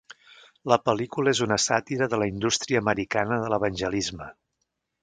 La pel·lícula és una sàtira de la indústria americana de l'evangelisme.